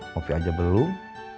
kopi aja belum